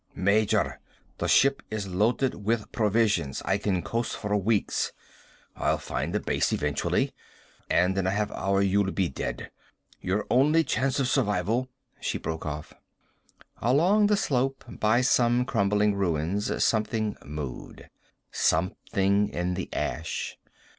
"Major, the ship is loaded with provisions. I can coast for weeks. I'll find the Base eventually. And in a half hour you'll be dead. Your only chance of survival " She broke off. Along the slope, by some crumbling ruins, something moved. Something in the ash.